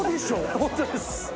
本当です。